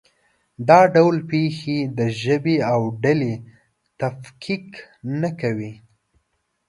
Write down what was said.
دا ډول پېښې د ژبې او ډلې تفکیک نه کوي.